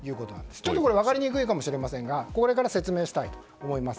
ちょっと分かりにくいかもしれませんがこれから説明したいと思います。